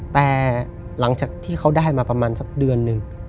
แต่หลังจากที่เขาได้มาประมาณสักเดือนหนึ่ง